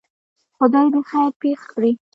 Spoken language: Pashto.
خدای دی خیر پېښ کړي.